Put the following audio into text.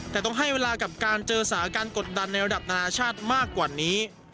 แต่ต้องให้เวลากับการเจอสาการกดดันในระดับนานาชาติมากกว่านี้